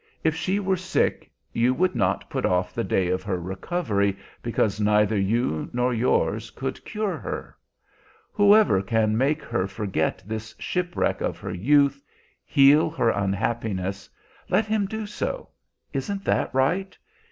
If she were sick, you would not put off the day of her recovery because neither you nor yours could cure her? Whoever can make her forget this shipwreck of her youth, heal her unhappiness, let him do so. Isn't that right?